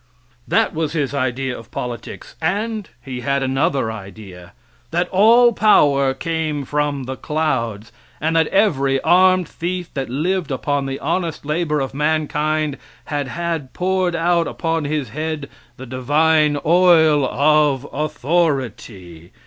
That was his idea of politics, and he had another idea that all power came from the clouds, and that every armed thief that lived upon the honest labor of mankind had had poured out upon his head the divine oil of authority.